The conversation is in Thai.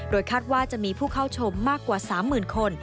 คาดว่าจะมีผู้เข้าชมมากกว่า๓๐๐๐คน